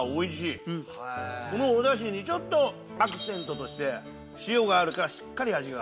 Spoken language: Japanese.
このおダシにちょっとアクセントとして塩があるからしっかり味が。